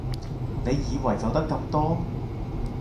你以為就得咁多？